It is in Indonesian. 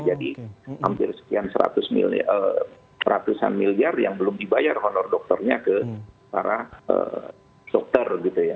jadi hampir sekian ratusan miliar yang belum dibayar honor dokternya ke para dokter